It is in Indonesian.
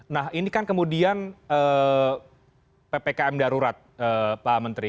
nah ini kan kemudian ppkm darurat pak menteri